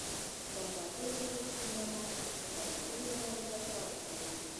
د ازادۍ اغېز ټولنه د غوړېدلو لارو ته سوق کوي.